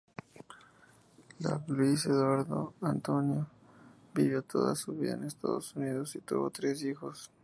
Luis Eduardo Antonio vivió toda su vida en Estados Unidos y tuvo tres hijos.